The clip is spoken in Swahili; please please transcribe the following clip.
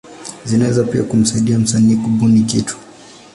Zinaweza pia kumsaidia msanii kubuni kitu.